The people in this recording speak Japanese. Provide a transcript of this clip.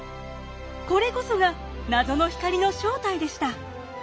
これこそが謎の光の正体でした！